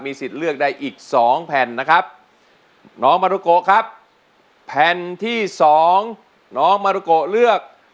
สิทธิ์เลือกได้อีกสองแผ่นนะครับน้องมารุโกครับแผ่นที่สองน้องมารุโกเลือก